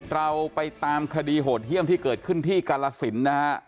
เราไปตามคดีโหดเยี่ยมที่เกิดขึ้นที่กาลสินนะฮะ